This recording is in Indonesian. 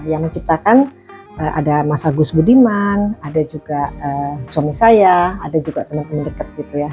yang menciptakan ada mas agus budiman ada juga suami saya ada juga teman teman dekat gitu ya